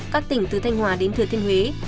các tỉnh từ thanh hòa đến thừa thiên huế